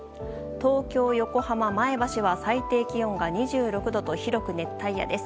東京、横浜、前橋は最低気温が２６度と広く熱帯夜です。